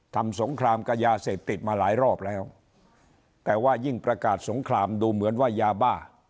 สงครามกับยาเสพติดมาหลายรอบแล้วแต่ว่ายิ่งประกาศสงครามดูเหมือนว่ายาบ้า